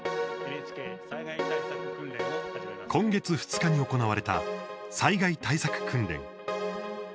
今月２日に行われた災害対策訓練。